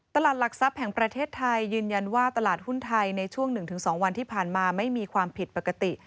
หลักทรัพย์แห่งประเทศไทยยืนยันว่าตลาดหุ้นไทยในช่วง๑๒วันที่ผ่านมาไม่มีความผิดปกติ